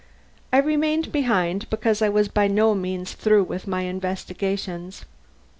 I remained behind because I was by no means through with my investigations.